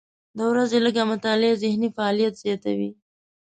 د ورځې لږه مطالعه ذهني فعالیت زیاتوي.